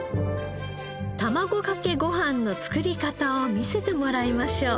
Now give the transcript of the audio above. たまごかけご飯の作り方を見せてもらいましょう。